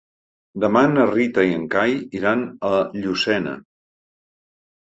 Demà na Rita i en Cai iran a Llucena.